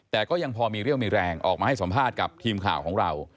แต่ก็ยังพอมีเรี่ยวมีแรงออกมาให้สัมภาษณ์กับทีมข่าวของเรา